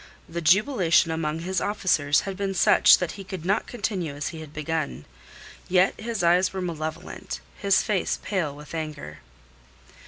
The jubilation among his officers had been such that he could not continue as he had begun. Yet his eyes were malevolent, his face pale with anger.